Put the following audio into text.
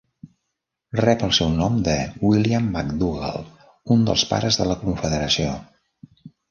Rep el seu nom de William McDougall, un dels pares de la Confederació.